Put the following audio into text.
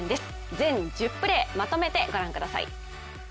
全１０プレーまとめて御覧ください。